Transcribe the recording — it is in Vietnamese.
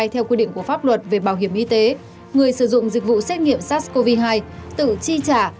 theo quy định của pháp luật về bảo hiểm y tế người sử dụng dịch vụ xét nghiệm sars cov hai tự chi trả